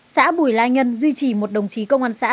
xã bùi lai nhân duy trì một đồng chí công an xã